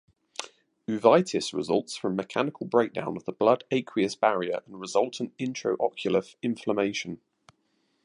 Uveitis results from mechanical breakdown of the blood–aqueous barrier and resultant intraocular inflammation.